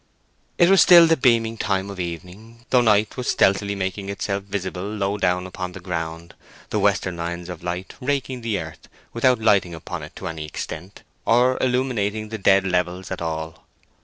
It was still the beaming time of evening, though night was stealthily making itself visible low down upon the ground, the western lines of light raking the earth without alighting upon it to any extent, or illuminating the dead levels at all.